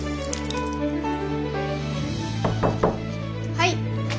・はい。